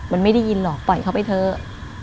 มันไม่ได้ยินหรอกปล่อยเขาไปเถอะ